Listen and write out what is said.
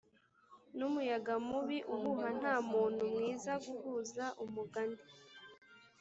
numuyaga mubi uhuha ntamuntu mwiza guhuza umugani